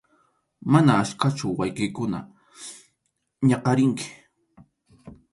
Mana achkachu wawqiykikuna ñakʼarinki.